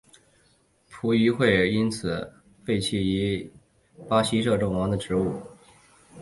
葡议会因此废黜了其巴西摄政王的职务。